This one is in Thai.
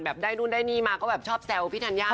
ได้นู่นได้นี่มาก็แบบชอบแซวพี่ธัญญา